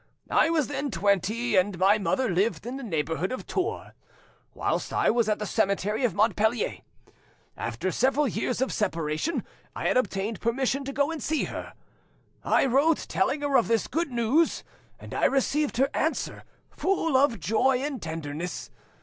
I was then twenty, and my mother lived in the neighbourhood of Tours, whilst I was at the seminary of Montpellier. After several years of separation, I had obtained permission to go and see her. I wrote, telling her of this good news, and I received her answer—full of joy and tenderness.